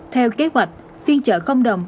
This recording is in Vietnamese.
theo kế hoạch phiên chợ không đồng